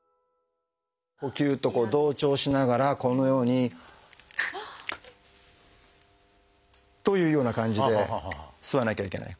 呼吸と同調しながらこのように。というような感じで吸わなきゃいけない。